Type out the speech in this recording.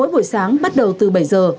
buổi sáng bắt đầu từ bảy giờ